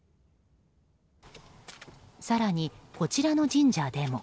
更に、こちらの神社でも。